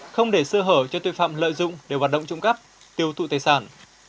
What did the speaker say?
không để sơ hở cho tội phạm lợi dụng để hoạt động trộm cắp tiêu thụ tài sản